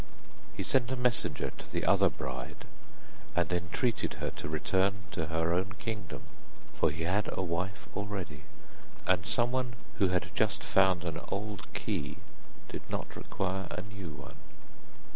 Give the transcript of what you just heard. He sent a messenger to the other bride, and entreated her to return to her own kingdom, for he had a wife already, and someone who had just found an old key did not require a new one.